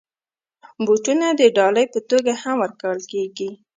بوټونه د ډالۍ په توګه هم ورکول کېږي.